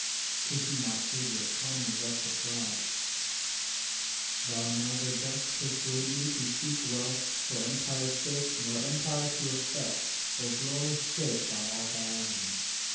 To whom our Saviour calmly thus replied:— "Thou neither dost persuade me to seek wealth For empire's sake, nor empire to affect For glory's sake, by all thy argument.